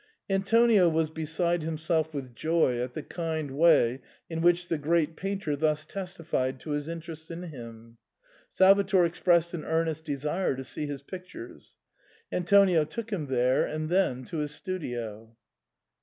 Antonio was beside himself with joy at the kind way in which the great painter thus testified to his interest in him. Salvator expressed an earnest desire to see his pictures. Antonio took him there and then to his studio.